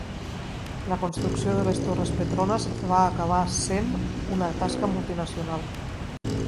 La construcció de les torres Petronas va acabar sent una tasca multinacional.